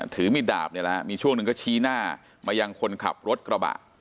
ถือมีดาบเนี้ยละมีช่วงหนึ่งก็ชี้หน้ามายังคนขับรถกระบะอ่า